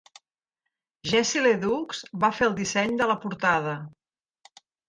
Jesse LeDoux va fer el disseny de la portada.